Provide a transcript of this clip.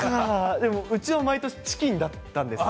でも、うちは毎年、チキンだったんですよ。